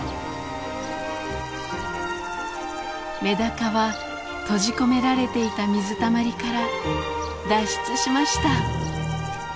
メダカは閉じ込められていた水たまりから脱出しました。